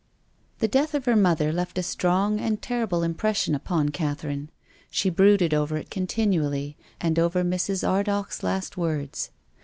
The death of her mother left a strong and ter rible impression upon Catherine. She brooded over it continually and over Mrs. Ardagh's last words.